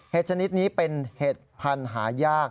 ชนิดนี้เป็นเห็ดพันธุ์หายาก